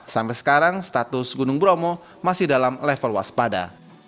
sampai sekarang status gunung bromo masih dalam level waspada